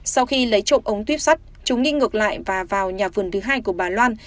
sau khi lấy trộm ống tuyếp sắt chúng đi ngược lại và vào nhà vườn thứ hai của bà loan